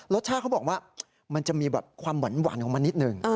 เขาบอกว่ามันจะมีแบบความหวานของมันนิดหนึ่ง